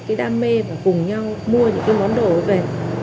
cái đam mê và cùng nhau mua những cái món đồ ấy về